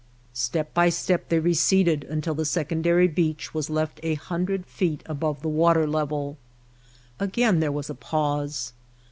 Step by step they receded until the sec ondary beach was left a hundred feet above the water level. Again there was a pause.